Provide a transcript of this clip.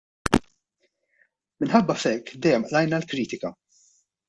Minħabba f'hekk dejjem qlajna l-kritika.